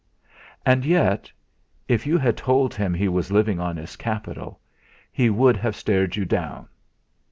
And yet, if you had told him he was living on his capital, he would have stared you down.